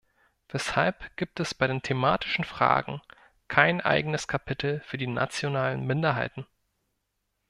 Weshalb gibt es bei den thematischen Fragen kein eigenes Kapitel für die nationalen Minderheiten?